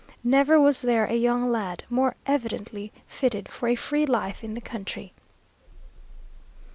Never was there a young lad more evidently fitted for a free life in the country.